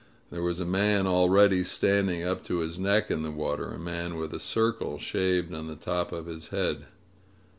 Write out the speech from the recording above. There was a man already standing up to his neck in the water, a man with a circle shaved on the top of his head.